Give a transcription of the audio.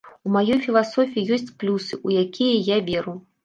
У маёй філасофіі ёсць плюсы, у якія я веру.